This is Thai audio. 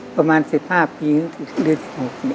ประมาณ๑๕ปีหรือ๑๖ปี